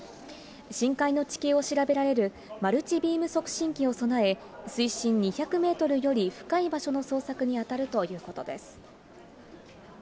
深海の地形を調べられるマルチビーム測深機を備え、水深２００メートルより深い場所の捜索に当たるということです。